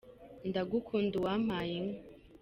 Ndagukunda uwampaye inka!